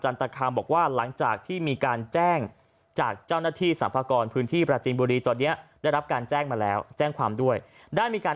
อยากจะร้องทุกส่วนนี้